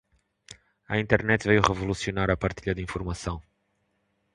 A Internet veio revolucionar a partilha de informação.